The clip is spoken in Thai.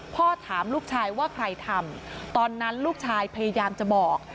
พ่อถามลูกชายว่าใครทำตอนนั้นลูกชายพยายามจะบอก